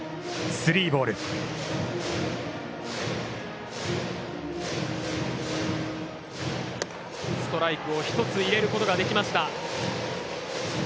ストライクを一つ入れることができました。